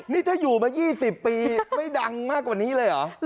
นี่ถ้าอยู่มา๒๐ปีไม่ดังมากกว่านี้เลยเหรอ